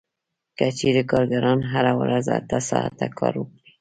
که چېرې کارګران هره ورځ اته ساعته کار وکړي